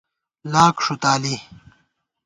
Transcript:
لاک ݭُتالی